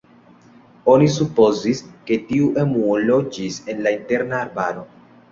Oni supozis ke tiu emuo loĝis en la interna arbaro.